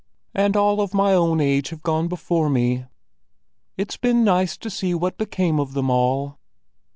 And all of my own age have gone before me; it's been nice to see what became of them all."